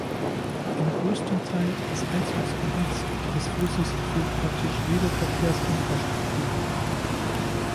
Im größten Teil des Einzugsgebiets des Flusses fehlt praktisch jede Verkehrsinfrastruktur.